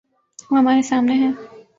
وہ ہمارے سامنے ہے۔